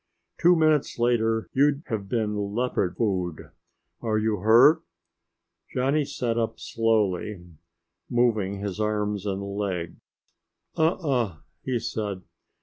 "Two minutes later you'd have been leopard food. Are you hurt?" Johnny sat up slowly, moving his arms and legs. "Uh uh," he said.